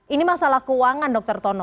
ini masalah keuangan dr tono